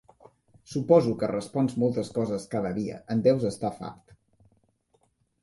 Suposo que respons moltes coses cada dia, en deus estar fart.